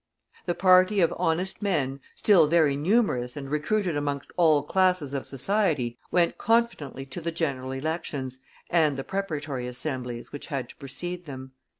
The party of honest men, still very numerous and recruited amongst all classes of society, went confidently to the general elections and preparatory assemblies which had to precede them.